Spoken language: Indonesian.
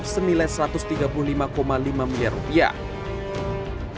dua ribu dua puluh senilai satu ratus tiga puluh lima lima miliar rupiah